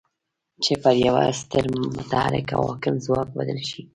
چې پر يوه ستر متحرک او حاکم ځواک بدل شي.